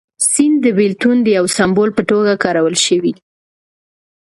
سیند د بېلتون د یو سمبول په توګه کارول شوی.